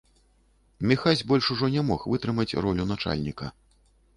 Міхась больш ужо не мог вытрымаць ролю начальніка.